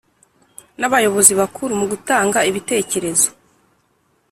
n Abayobozi bakuru mu gutanga ibitekerezo